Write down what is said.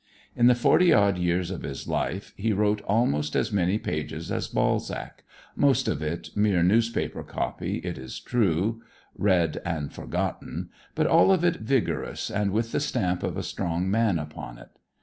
In the forty odd years of his life he wrote almost as many pages as Balzac, most of it mere newspaper copy, it is true, read and forgotten, but all of it vigorous and with the stamp of a strong man upon it.